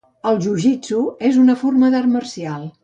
El jujitsu és una forma d'art marcial.